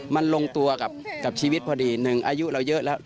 มันลงตัวกับชีวิตพอดีหนึ่งอายุเราเยอะแล้ว